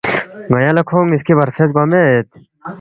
ن٘یا لہ کھونگ نِ٘یسکی برفیس گوا مید